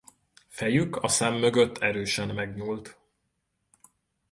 Fejük a szem mögött erősen megnyúlt.